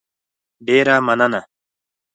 ډېره مننه